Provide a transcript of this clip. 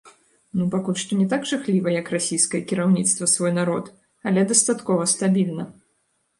Ну пакуль што не так жахліва, як расійскае кіраўніцтва свой народ, але дастаткова стабільна.